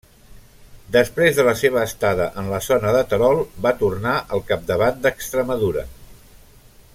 Després de la seva estada en la zona de Terol va tornar al capdavant d'Extremadura.